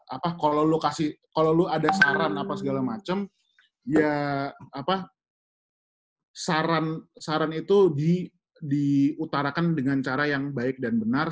apa kalau lo ada saran apa segala macam ya apa saran itu diutarakan dengan cara yang baik dan benar